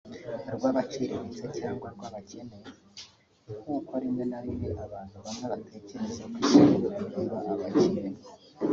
rw'abaciriritse cyangwa rw'abakene nk'uko rimwe na rimwe abantu bamwe batekereza ko isuku ireba abakire